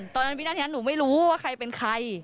ตอนนั้นหนูไม่รู้ว่าใครเป็นใคร